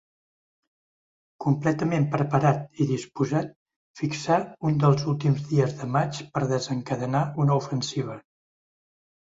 Completament preparat i disposat, fixà un dels últims dies de maig per desencadenar una ofensiva.